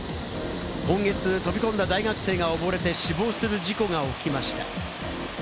今月、飛び込んだ大学生がおぼれて死亡する事故が起きました。